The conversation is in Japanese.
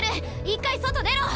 一回外出ろ。